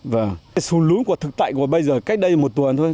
vâng số lún của thực tại của bây giờ cách đây một tuần thôi